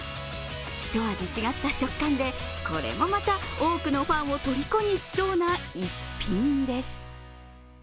一味違った食感で、これもまた多くのファンをとりこにしそうな逸品です。